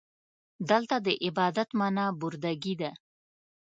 دلته د عبادت معنا برده ګي ده.